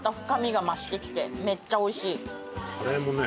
カレーもね